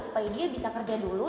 supaya dia bisa kerja dulu